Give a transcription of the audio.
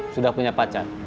sudah punya pacar